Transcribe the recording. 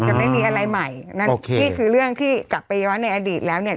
จะไม่มีอะไรใหม่นั่นนี่คือเรื่องที่กลับไปย้อนในอดีตแล้วเนี่ย